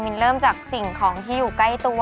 เริ่มจากสิ่งของที่อยู่ใกล้ตัว